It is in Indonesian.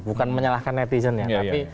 bukan menyalahkan netizennya tapi